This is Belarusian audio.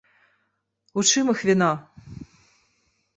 У чым іх віна?